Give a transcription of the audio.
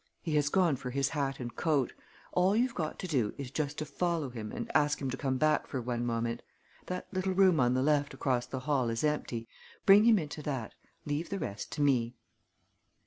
He has gone for his hat and coat. All you've got to do is just to follow him and ask him to come back for one moment. That little room on the left, across the hall, is empty. Bring him into that. Leave the rest to me."